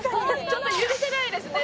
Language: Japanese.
ちょっと許せないですね。